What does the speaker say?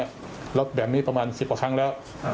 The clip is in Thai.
แล้วแบบนี้ประมาณ๑๐กว่าครั้งแล้ว